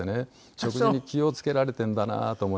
食事に気を付けられてるんだなと思いまして。